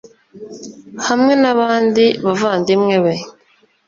hamwe n abandi bavandimwe be